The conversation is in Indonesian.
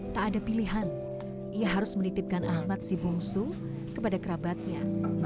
tak ada pilihan ia harus menitipkan ahmad si bungsu kepada kerabatnya